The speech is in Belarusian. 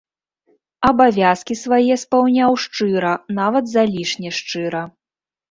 Абавязкі свае спаўняў шчыра, нават залішне шчыра.